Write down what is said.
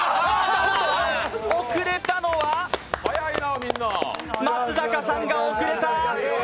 遅れたのは松坂さんが遅れた。